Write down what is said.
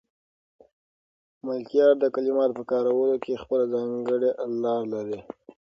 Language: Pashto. ملکیار د کلماتو په کارولو کې خپله ځانګړې لار لري.